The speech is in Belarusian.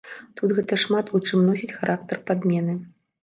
Тут гэта шмат у чым носіць характар падмены.